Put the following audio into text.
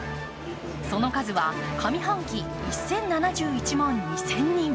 その数は上半期１０７１万２０００人。